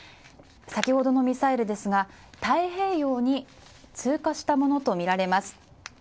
先ほどのミサイルですが、太平洋に通過したものとみられます。